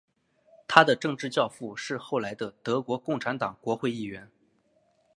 他的政治教父是后来的德国共产党国会议员。